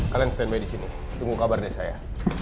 kalian stand by di sini tunggu kabar desa ya